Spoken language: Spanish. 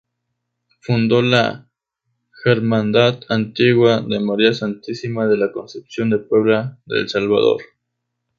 Fundó la Hermandad Antigua de María Santísima de la Concepción de Puebla del Salvador.